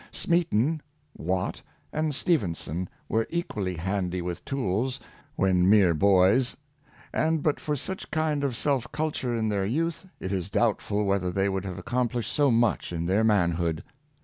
Smeaton, Watt, and Ste phenson, were equally handy with tools when mere boys; and but for such kind of self culture in their youth, it is doubtful whether they would have accom plished so much in their manhood.